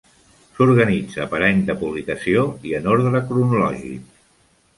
S'organitza per any de publicació i en ordre cronològic.